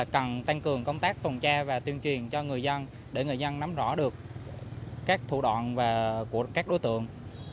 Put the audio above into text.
cần tăng cường công tác tuần tra và tuyên truyền cho người dân để người dân nắm rõ được các thủ đoạn của các đối tượng